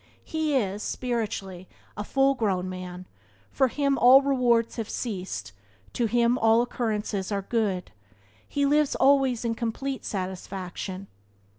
He is, spiritually, a full grown man; for him all rewards have ceased; to him all occurrences are good; he lives always in complete satisfaction.